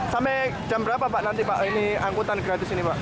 sampai jam berapa pak nanti pak ini angkutan gratis ini pak